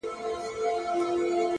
خو لا يې سترگي نه دي سرې خلگ خبري كـوي؛